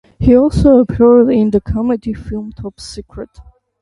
He also appeared in the comedy film Top Secret!